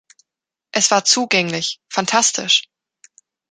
Es war zugänglich, fantastisch.